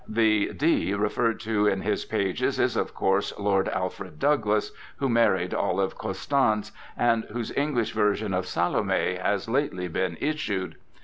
The D referred to in his pages is, of course, Lord Alfred Douglas, who mar ried Olive Custance, and whose English version of "Salome" has lately been issued.